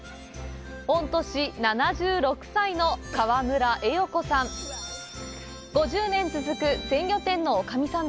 御年７６歳の川村恵代子さん。